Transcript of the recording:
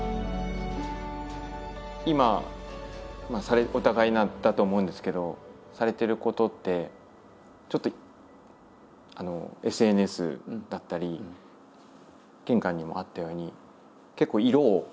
今お互いだと思うんですけどされてることってちょっとＳＮＳだったり玄関にもあったように結構色を。